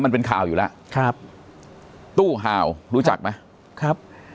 มันเป็นข่าวอยู่แล้วครับตู้ห่าวรู้จักไหมครับ